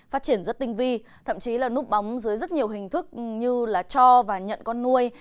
phát triển rất tinh vi thậm chí là núp bóng dưới rất nhiều hình thức như là cho và nhận con nuôi